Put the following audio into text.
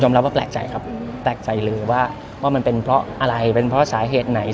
ยอมรับว่าแปลกใจครับแตกใจเลยว่าวันเป็นเพราะอะไรก็เลยเป็นเพราะฉายเหตุไหน